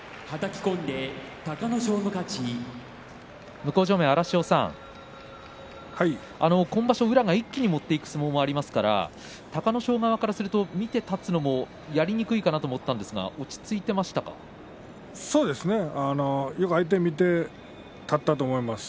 向正面の荒汐さん、今場所は宇良が一気に持っていく相撲がありますから隆の勝側から見ると見て立つのもやりにくいかと思ったんですがよく相手を見て立ったと思います。